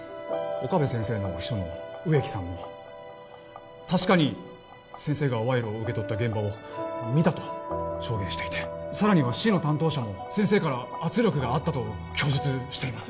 岡部先生の秘書の植木さんも確かに先生が賄賂を受け取った現場を見たと証言していてさらには市の担当者も先生から圧力があったと供述しています